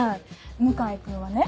向井君はね